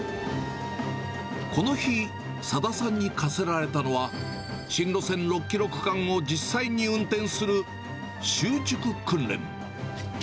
この日、佐田さんに課せられたのは、新路線６キロ区間を実際に運転する習熟訓練。